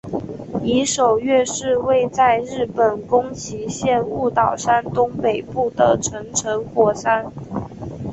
夷守岳是位在日本宫崎县雾岛山东北部的成层火山。